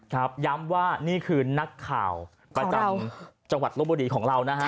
ย้ำว่านี่คือนักข่าวประจำจังหวัดลบบุรีของเรานะฮะ